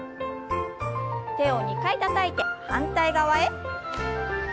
手を２回たたいて反対側へ。